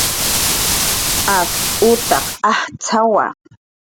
Ak utaq ajtz'awa